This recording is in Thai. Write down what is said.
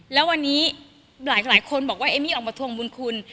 แล้ววันนี้หลายคนบอกว่าเอมมี่ออกมาทวงบุญคุณ